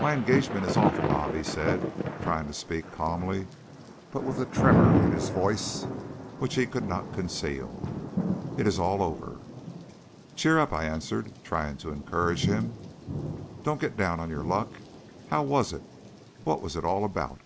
"My engagement is off, Bob," he said, trying to speak calmly, but with a tremor in his voice which he could not conceal. "It is all over." "Cheer up!" I answered, trying to encourage him. "Don't get down on your luck. How was it? What was it all about?"